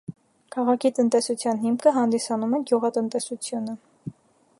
Քաղաքի տնտեսության հիմքը հանդիսանում է գյուղատնտեսությունը։